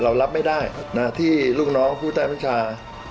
รับไม่ได้ที่ลูกน้องผู้ใต้บัญชา